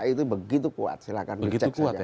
itu begitu kuat silahkan dicek saja